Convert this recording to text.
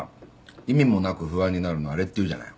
意味もなく不安になるのあれっていうじゃない。